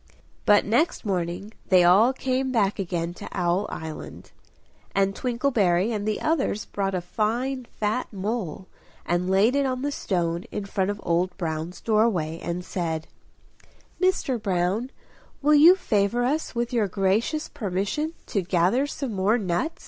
But next morning they all came back again to Owl Island; and Twinkleberry and the others brought a fine fat mole, and laid it on the stone in front of Old Brown's doorway, and said "Mr. Brown, will you favour us with your gracious permission to gather some more nuts?"